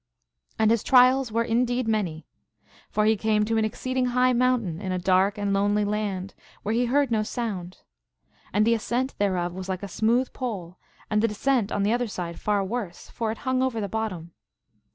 And his trials were in deed many. For he came to an exceeding high moun tain in a dark and lonely land, where he heard 110 sound. And the ascent thereof was like a smooth pole, and the descent on the other side far worse, for it hung over the bottom.